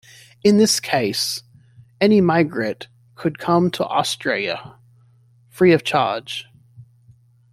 In this case, any migrant could come to Australia free of charge.